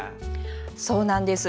そうなんです。